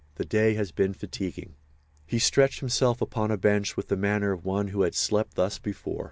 The day has been fatiguing." He stretched himself upon a bench with the manner of one who had slept thus before.